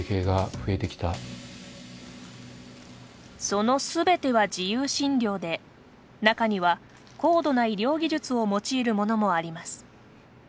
そのすべては自由診療で中には高度な医療技術を用いるものもあります。